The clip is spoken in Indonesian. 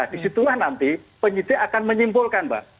di situlah nanti penyidik akan menyimpulkan mbak